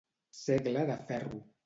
Segle de ferro.